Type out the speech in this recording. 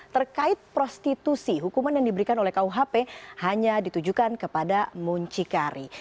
terkait prostitusi hukuman yang diberikan oleh kuhp hanya ditujukan kepada muncikari